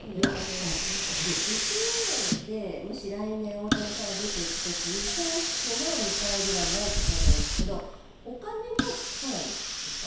ＦＡで、もし来年大谷さんが出ていく時に選手の見返りはないって書いてありますけどお金も来ないんですか？